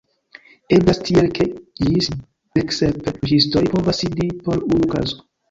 Eblas tiele ke ĝis deksep juĝistoj povas sidi por unu kazo.